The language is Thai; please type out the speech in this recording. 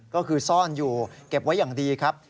ก็คือซ่อนอยู่เก็บไว้อย่างดีครับ